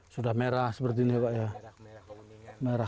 sudah merah seperti ini pak ya